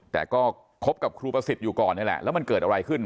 แต่ก็คบกับครูประสิทธิ์อยู่ก่อนนี่แหละแล้วมันเกิดอะไรขึ้น